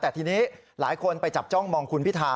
แต่ทีนี้หลายคนไปจับจ้องมองคุณพิธา